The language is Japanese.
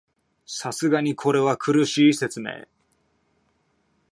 さすがにこれは苦しい説明